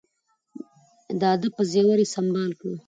د ادب په زیور یې سمبال کړو.